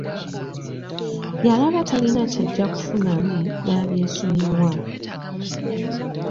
Yalaba talina kyajja kufunamu n'abyesonyiwa.